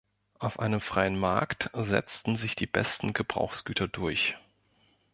Auf einem freien Markt setzen sich die besten Gebrauchsgüter durch.